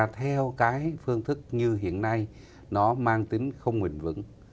theo cái phương thức như hiện nay nó mang tính không bình vững